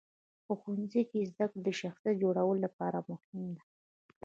په ښوونځیو کې زدهکړه د شخصیت جوړولو لپاره مهمه ده.